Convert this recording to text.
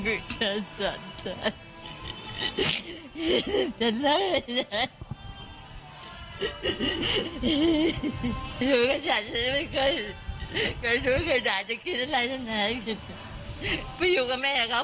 การยุ่งแต่อยากจะินอะไรฉันหายข้าไม่อยู่กับแม่เขา